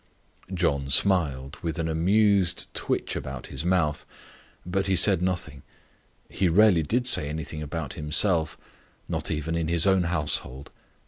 John smiled with an amused twitch about his mouth, but he said nothing. He rarely did say anything about himself not even in his own household.